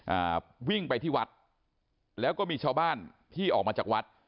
อ่าวิ่งไปที่วัดแล้วก็มีชาวบ้านที่ออกมาจากวัด